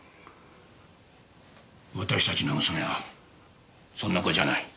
私たちの娘はそんな子じゃない。